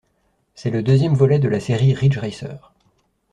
C'est le deuxième volet de la série Ridge Racer.